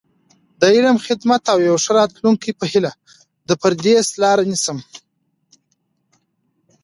د علم، خدمت او یو ښه راتلونکي په هیله، د پردیسۍ لاره نیسم.